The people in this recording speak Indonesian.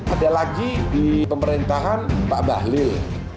ada lagi di pemerintahan pak bahlil